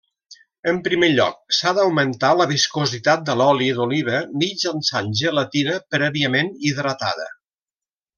En primer lloc, s'ha d'augmentar la viscositat de l'oli d'oliva mitjançant gelatina prèviament hidratada.